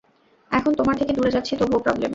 এখন তোমার থেকে দূরে যাচ্ছি তবুও প্রবলেম?